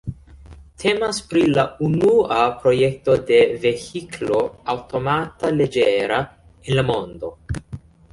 Temas pri la unua projekto de vehiklo aŭtomata leĝera en la mondo.